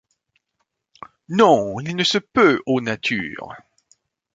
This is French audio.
Non ! il ne se peut, ô nature